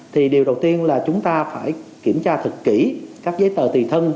thì điều đầu tiên là chúng ta phải kiểm tra thật kỹ các giấy tờ tùy thân